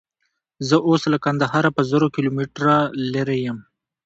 زه اوس له کندهاره په زرو کیلومتره لیرې یم.